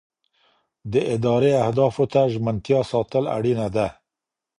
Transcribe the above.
د ادارې اهدافو ته ژمنتیا ساتل اړینه ده.